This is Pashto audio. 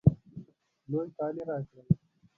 لوی کالی راکړئ